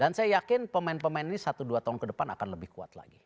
dan saya yakin pemain pemain ini satu dua tahun ke depan akan lebih kuat lagi